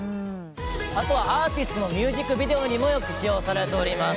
「あとはアーティストのミュージックビデオにもよく使用されております」